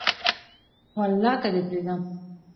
ولاکه دي پریږدم